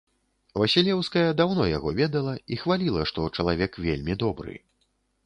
Васілеўская даўно яго ведала і хваліла, што чалавек вельмі добры.